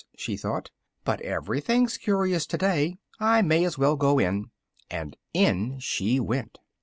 she thought, "but everything's curious today: I may as well go in." And in she went.